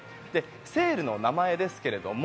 セールの名前ですけれども